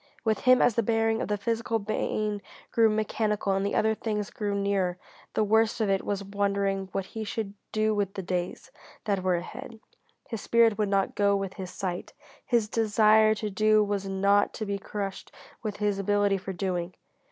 With him, as the bearing of the physical pain grew mechanical and the other things grew nearer, the worst of it was wondering what he should do with the days that were ahead. His spirit would not go with his sight. His desire to do was not to be crushed with his ability for doing.